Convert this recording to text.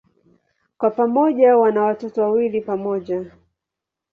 Kwa pamoja wana watoto wawili pamoja.